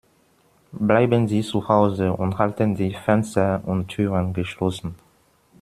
Bleiben Sie zu Hause und halten Sie Fenster und Türen geschlossen.